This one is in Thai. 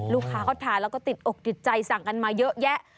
ลูกค้าเขาทานแล้วก็ติดอกติดใจสั่งกันมาเยอะแยะ